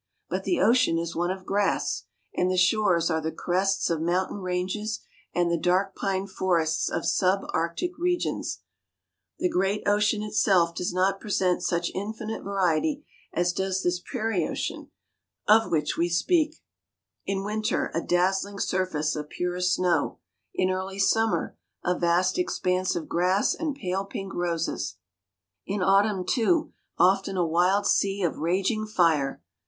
But the ocean is one of grass, and the shores are the crests of mountain ranges and the dark pine forests of sub Arctic regions. The great ocean itself does not present such infinite variety as does this prairie ocean of which we speak: in winter, a dazzling surface of purest snow; in early summer, a vast expanse of grass and pale pink roses; in autumn, too often a wild sea of raging fire!